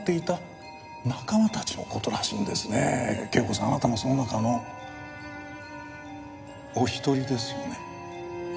啓子さんあなたもその中のお一人ですよね？